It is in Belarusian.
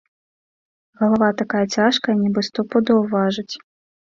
Галава такая цяжкая, нібы сто пудоў важыць.